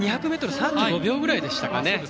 ２００ｍ３５秒ぐらいでしね。